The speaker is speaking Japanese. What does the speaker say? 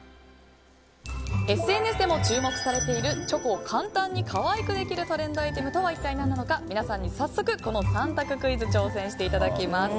ＳＮＳでも注目されているチョコを簡単に可愛くできるトレンドアイテムとは一体何なのか皆さんに早速、３択クイズに挑戦していただきます。